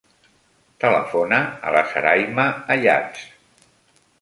Telefona a la Sarayma Ayats.